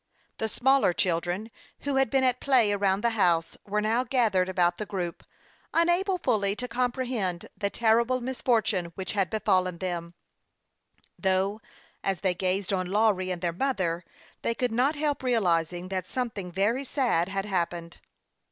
The smaller children, who had been at play around the house, were now gathered about the group, unable fully to comprehend the terrible mis fortune which had befallen them ; though, as they gazed on Lawry and their mother, they could not help realizing that something very sad had hap pened.